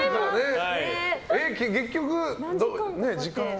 結局、時間は？